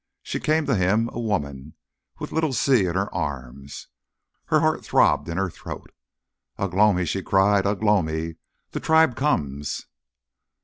She came to him, a woman, with little Si in her arms. Her heart throbbed in her throat. "Ugh lomi!" she cried, "Ugh lomi, the tribe comes!"